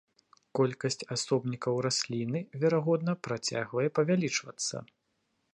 Колькасць асобнікаў расліны, верагодна, працягвае павялічвацца.